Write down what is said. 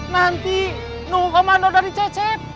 nanti nunggu komando dari cecep